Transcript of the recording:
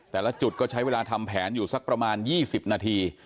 แต่ละจุดก็ใช้เวลาทำแผนอยู่สักประมาณ๒๐นาที